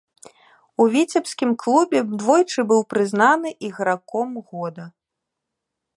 У віцебскім клубе двойчы быў прызнаны іграком года.